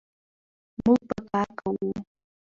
موږ به کار کوو.